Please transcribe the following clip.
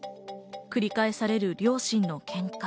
繰り返される両親の喧嘩。